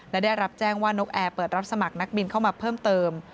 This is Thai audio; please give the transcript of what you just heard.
และได้รับแจ้งว่านกแอร์เปิดรับสมัครนักบินเข้ามาเพิ่มเติม